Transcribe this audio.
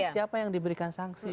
siapa yang diberikan sanksi